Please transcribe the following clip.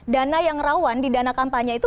dana yang rawan di dana kampanye itu